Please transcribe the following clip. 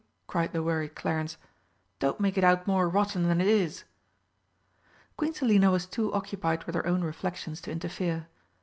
cried the worried Clarence. "Don't make it out more rotten than it is!" Queen Selina was too occupied with her own reflections to interfere.